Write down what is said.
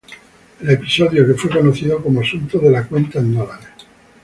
El episodio que fue conocido como asunto de la cuenta en dólares".